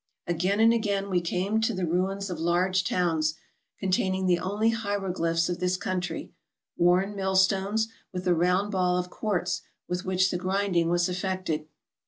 Again and again we came to the ruins of large towns, containing the only hieroglyphics of this country, worn millstones, with the round ball of quartz with which the grinding was effected.